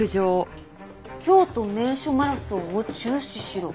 「京都名所マラソンを中止しろ」